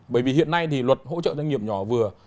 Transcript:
bởi vì hiện nay thì luật hỗ trợ doanh nghiệp nhỏ vừa